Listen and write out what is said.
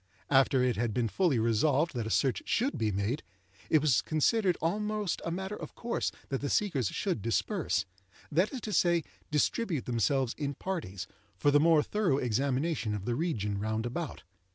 After it had been fully resolved that a search should be made, it was considered almost a matter of course that the seekers should disperse—that is to say, distribute themselves in parties—for the more thorough examination of the region round about.